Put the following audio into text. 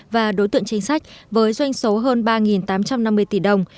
và đối tượng chính sách với doanh số hơn ba tám trăm năm mươi tỷ đồng